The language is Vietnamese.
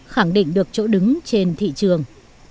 khẳng định được chỗ đứng trên thị trường